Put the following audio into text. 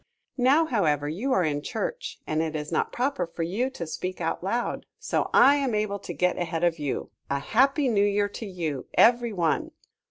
Now, however, you are in Church and it is not proper for you to speak out loud, so I am able to get ahead of you. A Happy New Year to you, every one.